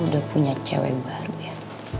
udah punya cewek baru ya